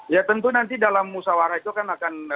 ya tentu nanti dalam usaha warah itu kan akan